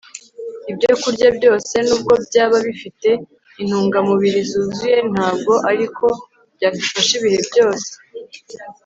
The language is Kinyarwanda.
ibyokurya byose nubwo byaba bifite intungamubiri zuzuye ntabwo ari ko byadufasha ibihe byose